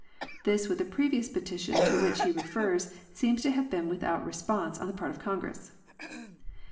This, with a previous petition to which he refers, seems to have been without response on the part of Congress.